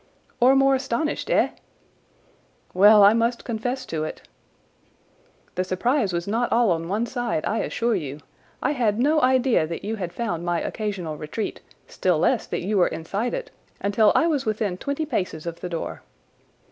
"Or more astonished, eh?" "Well, I must confess to it." "The surprise was not all on one side, I assure you. I had no idea that you had found my occasional retreat, still less that you were inside it, until I was within twenty paces of the door."